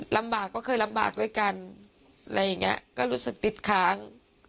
ลำบากก็เคยลำบากด้วยกันอะไรอย่างนี้ก็รู้สึกติดค้าง